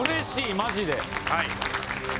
マジで。